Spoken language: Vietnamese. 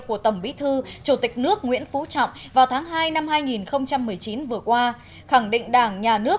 của tổng bí thư chủ tịch nước nguyễn phú trọng vào tháng hai năm hai nghìn một mươi chín vừa qua khẳng định đảng nhà nước